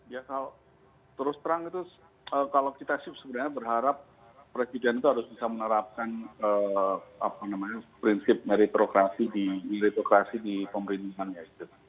ya kalau terus terang itu kalau kita sih sebenarnya berharap presiden itu harus bisa menerapkan prinsip meritokrasi di pemerintahnya